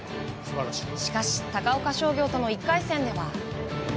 しかし、高岡商業との１回戦では。